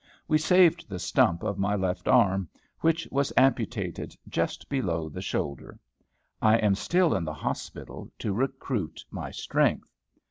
We saved the stump of my left arm, which was amputated just below the shoulder. I am still in the hospital to recruit my strength.